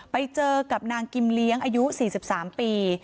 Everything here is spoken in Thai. ไปเจอกับนางกิมเลี้ยงอายุ๔๓ปี